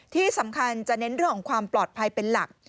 ที่สำคัญจะเน้นเรื่องของความปลอดภัยเป็นหลัก